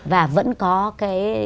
và vẫn có cái